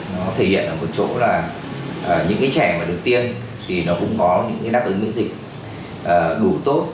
nó thể hiện ở một chỗ là những trẻ mà được tiêm thì nó cũng có những đáp ứng bệnh dịch đủ tốt